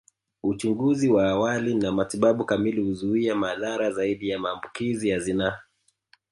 Uchunguzi wa awali na matibabu kamili huzuia madhara zaidi ya maambukizi ya zinaa